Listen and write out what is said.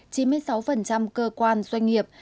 chín mươi sáu cơ quan doanh nghiệp